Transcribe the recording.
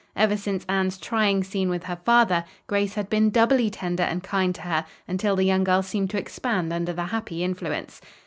Ever since Anne's trying scene with her father, Grace had been doubly tender and kind to her, until the young girl seemed to expand under the happy influence.